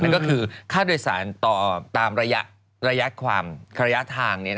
ก็คือค่าโดยสารต่อตามระยะทาง